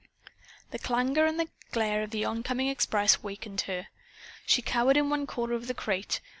The clangor and glare of the oncoming express awakened her. She cowered in one corner of the crate.